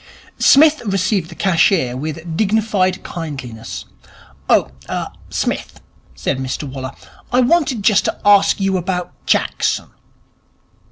Psmith received the cashier with a dignified kindliness. 'Oh, er, Smith,' said Mr Waller, 'I wanted just to ask you about Jackson.'